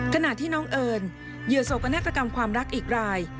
ขณะที่น้องเอิญเหยื่อโศกนาฏกรรมความรักอีกราย